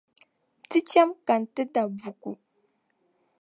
Ti cham ka n-ti da buku.